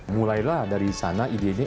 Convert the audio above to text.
mulailah dari sana ide ini